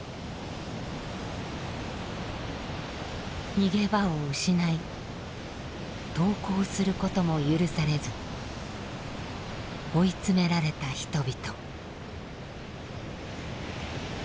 逃げ場を失い投降することも許されず追い詰められた人々。